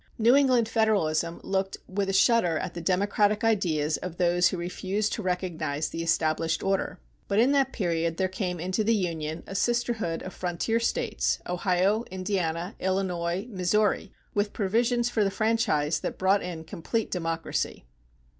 New England Federalism looked with a shudder at the democratic ideas of those who refused to recognize the established order. But in that period there came into the Union a sisterhood of frontier States Ohio, Indiana, Illinois, Missouri with provisions for the franchise that brought in complete democracy.